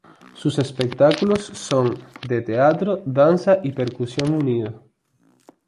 Sus espectáculos son de teatro, danza y percusión unidos.